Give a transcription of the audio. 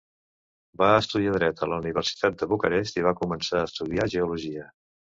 Va estudiar dret a la Universitat de Bucarest, i va començar a estudiar geologia.